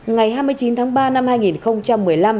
ngày hai mươi chín tháng ba năm hai nghìn một mươi năm